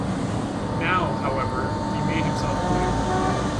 Now, however, he made himself clear.